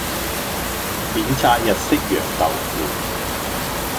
免炸日式揚豆腐